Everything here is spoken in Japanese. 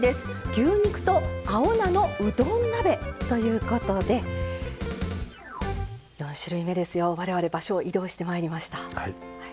牛肉と青菜のうどん鍋ということで４種類目で我々、場所を移動してきました。